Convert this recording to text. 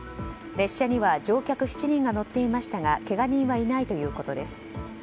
列車には乗客７人が乗っていましたがけが人はいないということです。